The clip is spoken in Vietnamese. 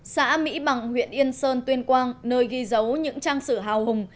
xã mỹ bằng huyện yên sơn tuyên quang nơi ghi dấu những trang sử hào hùng